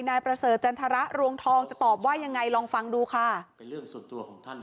นายประเสริฐจันทรรภ์รวงทองจะตอบว่ายังไงลองฟังดูค่ะ